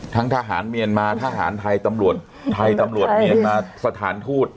ทหารเมียนมาทหารไทยตำรวจไทยตำรวจเมียนมาสถานทูต